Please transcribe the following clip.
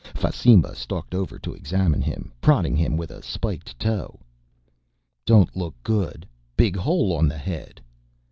Fasimba stalked over to examine him, prodding him with a spiked toe. "Don't look good. Big hole on the head."